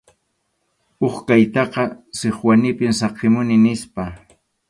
Huk kaqtaqa Sikwanipim saqimuni nispa.